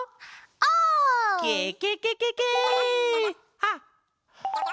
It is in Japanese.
あっ！